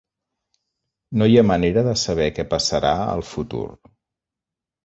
No hi ha manera de saber què passarà al futur.